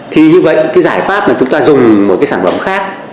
thì như vậy cái giải pháp mà chúng ta dùng một cái sản phẩm khác